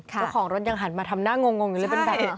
เจ้าของรถยังหันมาทำหน้างงอยู่เลยเป็นแบบนี้